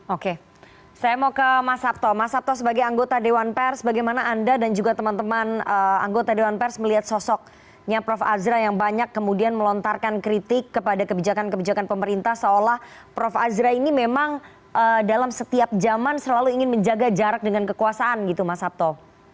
oke saya mau ke mas sabto mas sabto sebagai anggota dewan pers bagaimana anda dan juga teman teman anggota dewan pers melihat sosoknya prof azra yang banyak kemudian melontarkan kritik kepada kebijakan kebijakan pemerintah seolah prof azra ini memang dalam setiap zaman selalu ingin menjaga jarak dengan kekuasaan gitu mas sabto